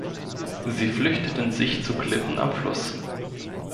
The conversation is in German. Sie flüchteten sich zu Klippen am Fluss.